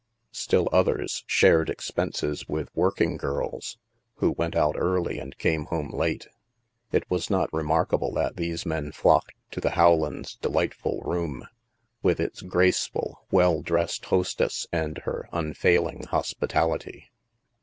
Still others " shared expenses," with work ing girls, who went out early and came home late. It was not remarkable that these men flocked to the Rowlands' delightful room, with its graceful, well dressed hostess and her unfailing hospitality.